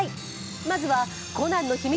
まずはコナンの秘密